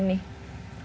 jadi sebelum itu